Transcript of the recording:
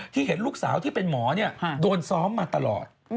เห็นลูกสาวที่เป็นหมอโดนซ้อมมาตลอด